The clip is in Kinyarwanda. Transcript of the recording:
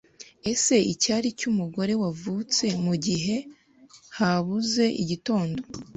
Ese icyari cyumugore wavutse Mugihe habuze igitondo